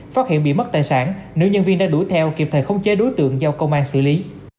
phát hiện bị mất tài sản nữ nhân viên đã đuổi theo kịp thời khống chế đối tượng do công an xử lý